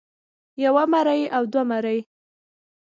يوه مرۍ او دوه مرۍ